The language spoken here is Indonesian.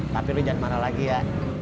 tapi lu jangan marah lagi ya